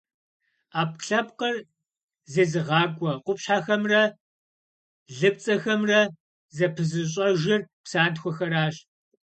Ӏэпкълъэпкъыр зезыгъакӏуэ къупщхьэхэмрэ лыпцӏэхэмрэ зэпызыщӏэжыр псантхуэхэращ.